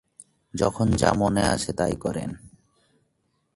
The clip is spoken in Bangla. যখন যা মনে আসে তাই করেন।